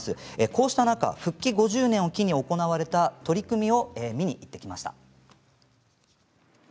こうした中、復帰５０年を機に行われた取り組みを見に行ってきました。